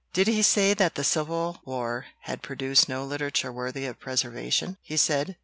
"Did he say that the Civil War had produced no literature worthy of preservation?" he said.